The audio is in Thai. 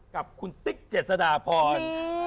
กับคุณติ๊กเจษฎาพร